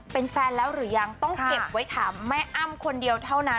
เป็นแฟนแล้วหรือยังต้องเก็บไว้ถามแม่อ้ำคนเดียวเท่านั้น